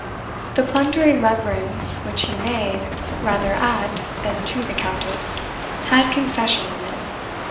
The blundering reverence which he made, rather AT than TO the Countess, had confession in it.